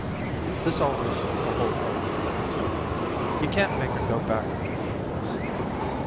"This alters the whole thing," he said. "You can't make her go back when you know this.